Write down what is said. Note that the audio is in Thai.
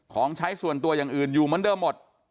ของใช้ส่วนตัวอย่างอื่นอยู่เหมือนเดิมหมด